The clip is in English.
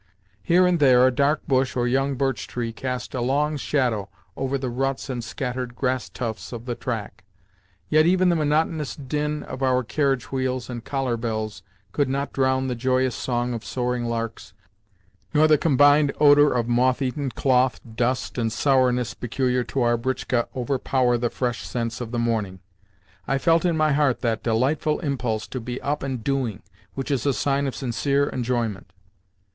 Here and there a dark bush or young birch tree cast a long shadow over the ruts and scattered grass tufts of the track. Yet even the monotonous din of our carriage wheels and collar bells could not drown the joyous song of soaring larks, nor the combined odour of moth eaten cloth, dust, and sourness peculiar to our britchka overpower the fresh scents of the morning. I felt in my heart that delightful impulse to be up and doing which is a sign of sincere enjoyment.